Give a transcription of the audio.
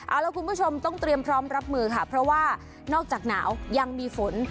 เอาละคุณผู้ชมต้องเตรียมพร้อมรับมือค่ะเพราะว่านอกจากหนาวยังมีฝน